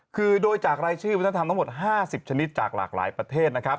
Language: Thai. คือโดยจากรายชื่อวัฒนธรรมทั้งหมด๕๐ชนิดจากหลากหลายประเทศนะครับ